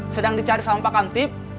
sedang dicari sama pak kantip